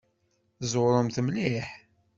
Tzewṛemt mliḥ!